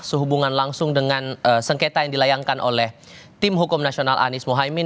sehubungan langsung dengan sengketa yang dilayangkan oleh tim hukum nasional anies mohaimin